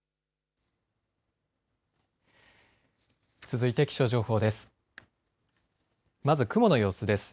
続いて気象情報です。